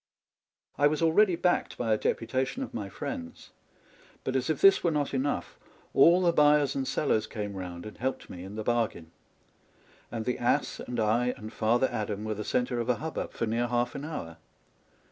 I was already backed by a deputation of my friends ; but as if this were not enough, all the buyers and sellers came round and helped me in the bargain ; and the ass and I and Father Adam were the centre of a hubbub for near half an hour.